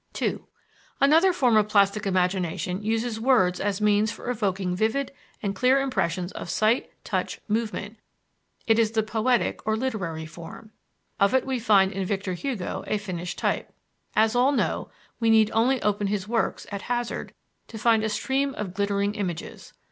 2. Another form of plastic imagination uses words as means for evoking vivid and clear impressions of sight, touch, movement; it is the poetic or literary form. Of it we find in Victor Hugo a finished type. As all know, we need only open his works at hazard to find a stream of glittering images.